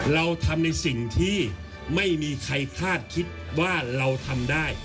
เราทำในสิ่งที่ไม่มีใครคาดคิดว่าเราทำได้